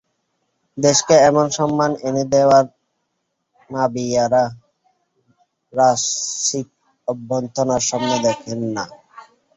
দেশকে এমন সম্মান এনে দেওয়া মাবিয়ারা রাজসিক অভ্যর্থনার স্বপ্ন দেখেন না।